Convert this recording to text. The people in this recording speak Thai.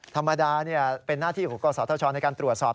ธรรมดาเป็นหน้าที่ของกศธชในการตรวจสอบ